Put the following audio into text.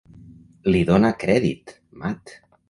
Li dóna crèdit, Mat!